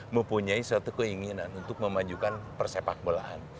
mempunyai suatu keinginan untuk memajukan persepak bolaan